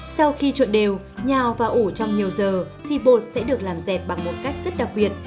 sau khi chuộn đều nhào và ủ trong nhiều giờ thì bột sẽ được làm dẹp bằng một cách rất đặc biệt